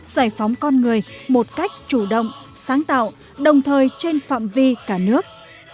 giải phóng con người một cách chủ động sáng tạo đồng thời trên phạm vi cả nước